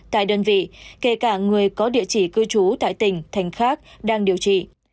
tại đơn vị kể cả người có địa chỉ cư trú tại tỉnh thành khác đang điều trị